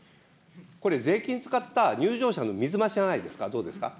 これ税金使った入場者の水増しじゃないですか。